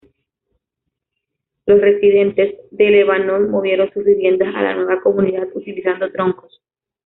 Los residentes de Lebanon movieron sus viviendas a la nueva comunidad utilizando troncos.